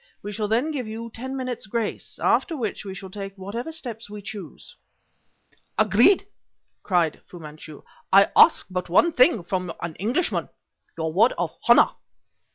We shall then give you ten minutes grace, after which we shall take whatever steps we choose." "Agreed!" cried Fu Manchu. "I ask but one thing from an Englishman; your word of honor?"